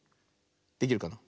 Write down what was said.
できるかな。